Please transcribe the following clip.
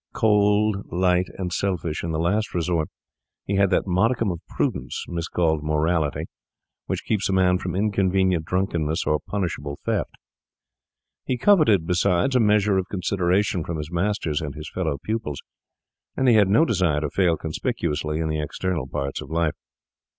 Cold, light, and selfish in the last resort, he had that modicum of prudence, miscalled morality, which keeps a man from inconvenient drunkenness or punishable theft. He coveted, besides, a measure of consideration from his masters and his fellow pupils, and he had no desire to fail conspicuously in the external parts of life.